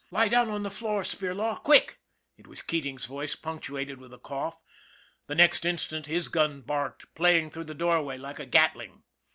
"Lie down on the floor, Spirlaw, quick!" it was Keating's voice, punctuated with a cough. The next instant his gun barked, playing through the doorway like a gatling.